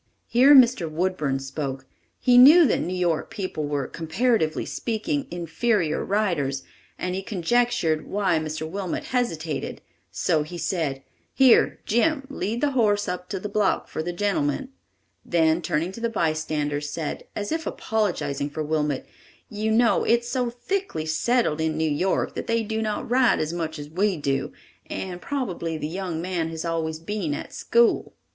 Here Mr. Woodburn spoke. He knew that New York people were, comparatively speaking, inferior riders, and he conjectured why Mr. Wilmot hesitated; so he said: "Here, Jim, lead the horse up to the block for the gentleman"; then turning to the bystanders, said, as if apologizing for Wilmot: "You know it is so thickly settled in New York that they do not ride as much as we do, and probably the young man has always been at school."